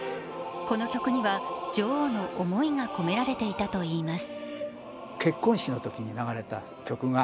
この曲には女王の思いが込められていたといいます。